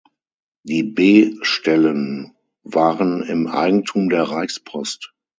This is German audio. Die B-Stellen waren im Eigentum der Reichspost.